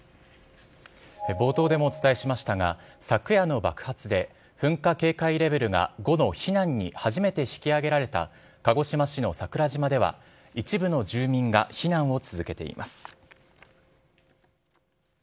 冒頭でもお伝えしましたが、昨夜の爆発で、噴火警戒レベルが５の避難に初めて引き上げられた鹿児島市の桜島では、一部の住民が避難を続けています。